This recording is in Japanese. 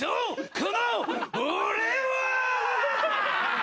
この俺は！